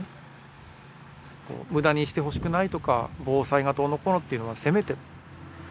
無駄にしてほしくないとか防災がどうのこうのっていうのはせめて。